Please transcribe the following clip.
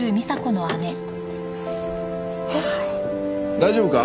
大丈夫か？